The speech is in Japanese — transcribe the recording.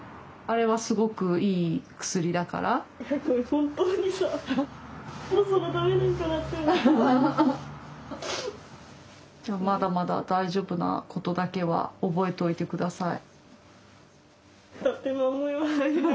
本当にさまだまだ大丈夫なことだけは覚えといて下さい。